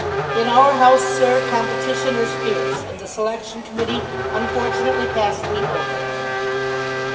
"In our house, sir, competition is fierce, and the Selection Committee unfortunately passed me over."